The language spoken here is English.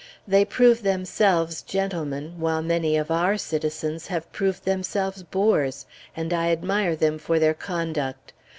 They prove themselves gentlemen, while many of our citizens have proved themselves boors, and I admire them for their conduct.